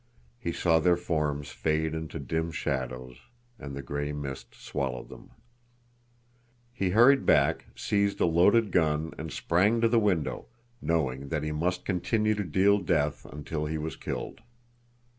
He saw their forms fade into dim shadows, and the gray mist swallowed them. He hurried back, seized a loaded gun, and sprang to the window, knowing that he must continue to deal death until he was killed.